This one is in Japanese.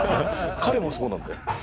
彼もそうなんだよ。